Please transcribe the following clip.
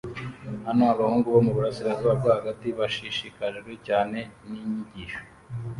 Hano abahungu bo muburasirazuba bwo hagati bashishikajwe cyane ninyigisho